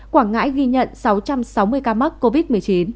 quảng ngãi ghi nhận sáu trăm sáu mươi ca mắc covid một mươi chín